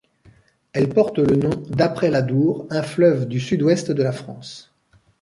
Elle porte le nom d'après l'Adour, un fleuve du sud-ouest de la France.